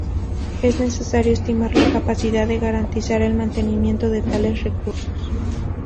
Es necesario estimar la capacidad de garantizar el mantenimiento de tales recursos.